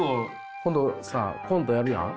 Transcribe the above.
今度さコントやるやん。